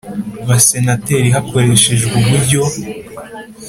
Basenateri hakoreshejwe uburyo